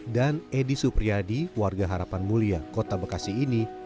dan edi supriyadi warga harapan mulia kota bekasi ini